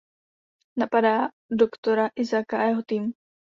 Napadá doktora Isaaca a jeho tým.